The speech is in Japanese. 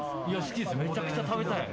めちゃくちゃ食べたい。